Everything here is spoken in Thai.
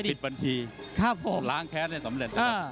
ครับพิดบัญชีครับผมล้างแค้นให้สำเร็จครับ